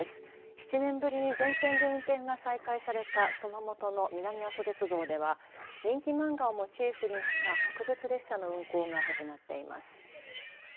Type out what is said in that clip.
７年ぶりに全線で運転が再開された熊本の南阿蘇鉄道では人気漫画をモチーフにした特別列車の運行が始まっています。